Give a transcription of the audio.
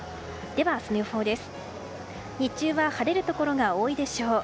明日の予報です。